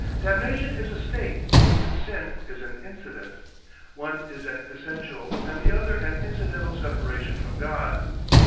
Damnation is a state, but sin is an incident. One is an essential and the other an incidental separation from God.